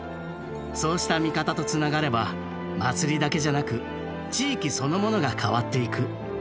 そうした味方とつながれば祭りだけじゃなく地域そのものが変わっていく。